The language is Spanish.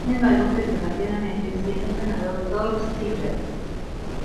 Sin embargo perdió rápidamente, siendo el ganador Dolph Ziggler.